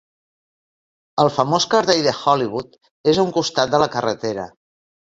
El famós cartell de Hollywood és a un costat de la carretera.